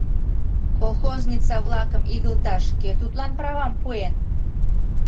Колхозница-влакым игылташ кӧ тудлан правам пуэн?